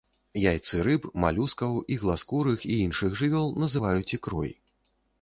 Яйцы рыб, малюскаў, ігласкурых і іншых жывёл называюць ікрой.